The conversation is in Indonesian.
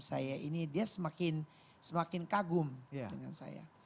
saya ini dia semakin kagum dengan saya